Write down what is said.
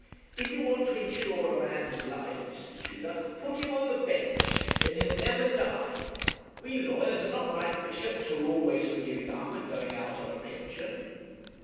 If you want to insure a man's life, Mr. Tudor, put him on the bench; then he'll never die. We lawyers are not like bishops, who are always for giving up, and going out on a pension.'